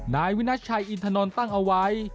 นายวินัทชัยอินทนนท์ตั้งเอาไว้